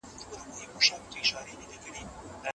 ایمان موږ ته د دنیا او اخیرت ریښتینی سعادت بښي.